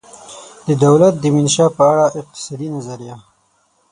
د دولته دمنشا په اړه اقتصادي نظریه